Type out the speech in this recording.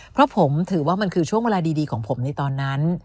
เพราะผมถือว่ามันคือช่วงเวลาดีของผมในตอนนั้น